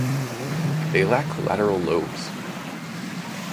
They lack lateral lobes.